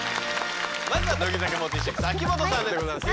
まずは乃木坂４６秋元さんでございます。